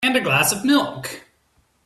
And a glass of milk.